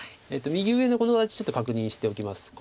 右上のこの味ちょっと確認しておきます。